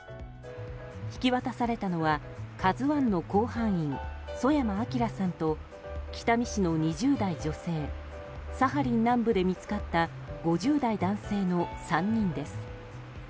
引き渡されたのは「ＫＡＺＵ１」の甲板員曽山聖さんと北見市の２０代女性サハリン南部で見つかった５０代男性の３人です。